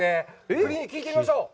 栗に聞いてみましょう！